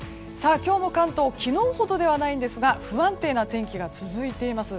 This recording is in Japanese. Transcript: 今日も関東昨日ほどではないですが不安定な天気が続いています。